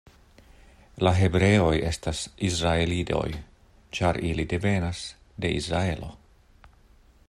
La hebreoj estas Izraelidoj, ĉar ili devenas de Izraelo.